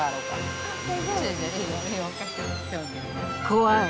怖い。